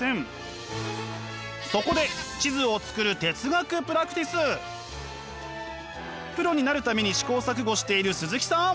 そこで地図を作るプロになるために試行錯誤している鈴木さん！